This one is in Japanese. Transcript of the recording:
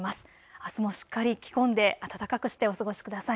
あすもしっかり着込んで暖かくしてお過ごしください。